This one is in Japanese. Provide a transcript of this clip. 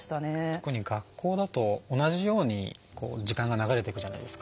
特に学校だと同じように時間が流れていくじゃないですか。